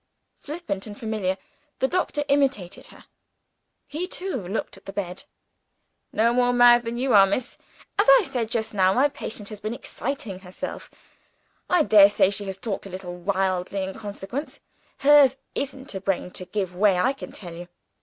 Flippant and familiar, the doctor imitated her; he too looked at the bed. "No more mad than you are, miss. As I said just now, my patient has been exciting herself; I daresay she has talked a little wildly in consequence. Hers isn't a brain to give way, I can tell you.